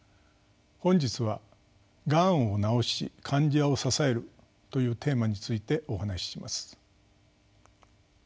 本日は「がんを治し患者を支える」というテーマについてお話しします。